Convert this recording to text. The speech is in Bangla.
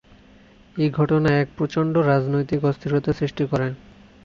এই ঘটনা এক প্রচণ্ড রাজনৈতিক অস্থিরতা সৃষ্টি করে।